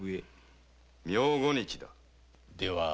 明後日だ。